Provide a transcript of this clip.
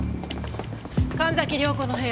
神崎涼子の部屋